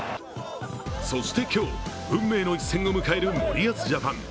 そして今日、運命の一戦を迎える森保ジャパン。